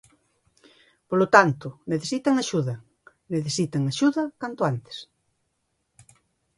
Polo tanto, necesitan axuda, necesitan axuda canto antes.